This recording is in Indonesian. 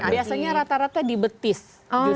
biasanya rata rata di betis justru kerangnya